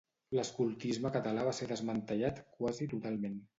L'escoltisme català va ser desmantellat quasi totalment.